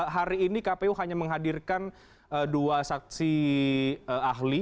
hari ini kpu hanya menghadirkan dua saksi ahli